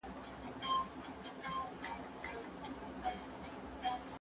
د خوراک پر مهال خبرې کمې وساتئ.